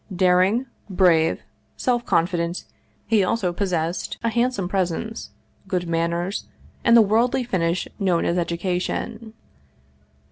Daring, brave, self confident, he also possessed a handsome presence, good manners, and the worldly finish known as education.